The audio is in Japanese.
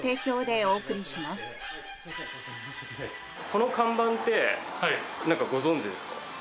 この看板ってなんかご存じですか？